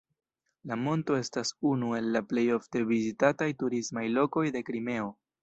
La monto estas unu el la plej ofte vizitataj turismaj lokoj de Krimeo.